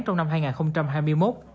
trong năm hai nghìn hai mươi một